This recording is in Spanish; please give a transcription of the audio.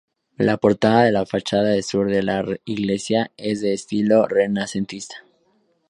La portada de la fachada sur de la iglesia es de estilo renacentista.